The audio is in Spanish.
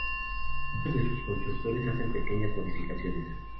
Muchos de sus constructores hacen pequeñas modificaciones.